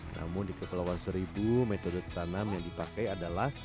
namun di kepulauan seribu metode tanam yang dipakai adalah